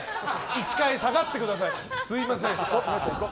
１回下がってください。